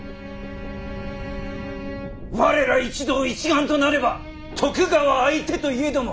我ら一同一丸となれば徳川相手といえども。